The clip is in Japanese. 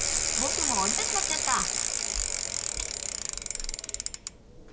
僕も折りたくなっちゃった